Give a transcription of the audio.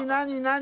何？